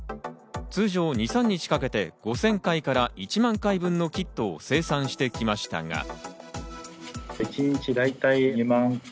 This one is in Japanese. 通常２３日かけて５０００回から１万回分のキットを生産してきましたが。